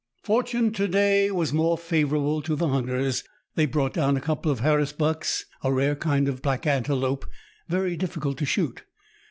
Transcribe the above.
Fortune, to day, was more favourable to the hunters. They brought down a couple of harrisbucks, a rare kind of black antelope, very difficult to shoot.